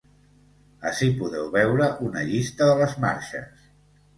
Ací podeu veure una llista de les marxes.